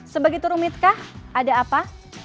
sebegitu rumitkah ada apa